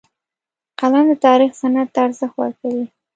قلم د تاریخ سند ته ارزښت ورکوي